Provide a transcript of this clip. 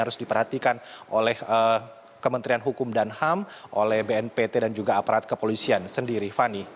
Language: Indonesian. harus diperhatikan oleh kementerian hukum dan ham oleh bnpt dan juga aparat kepolisian sendiri fani